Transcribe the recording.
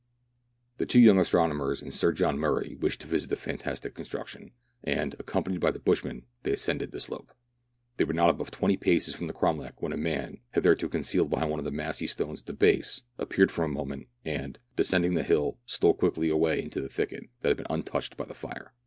The two young astronomers and Sir John Murray wished to visit the fantastic construction, and, accompanied by the bushman, they ascended the slope. They were not above twenty paces from the cromlech when a man, hitherto concealed behind one of the massy stones at the base, appeared for a moment, and, descending the hill, stole quickly away into a thicket that had been untouched by the fire.